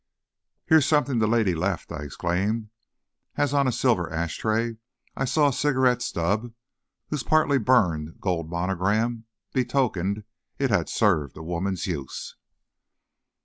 "Here's something the lady left!" I exclaimed, as on a silver ash tray I saw a cigarette stub, whose partly burned gold monogram betokened it had served a woman's use.